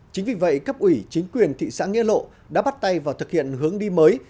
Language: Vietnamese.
chính vì vậy cấp ủy chính quyền thị xã nghĩa lộ đã bắt tay vào thực hiện hướng đi mới